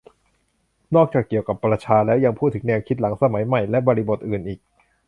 นอกจากเกี่ยวกับประชาแล้ว ยังพูดถึงแนวคิดหลังสมัยใหม่ และบริบทอื่นอีก